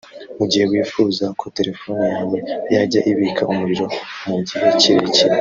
Mu gihe wifuza ko telephone yawe yajya ibika umuriro mu gihe kirekire